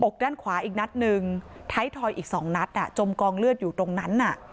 ด้านขวาอีกนัดหนึ่งท้ายทอยอีก๒นัดจมกองเลือดอยู่ตรงนั้น